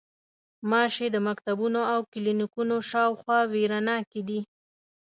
غوماشې د مکتبونو او کلینیکونو شاوخوا وېره ناکې دي.